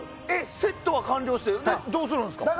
セットが完了してどうするんですか？